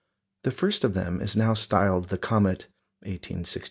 The first of them is now styled the comet (1862 iii.)